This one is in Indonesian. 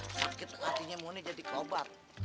sakit hatinya mau jadi keobat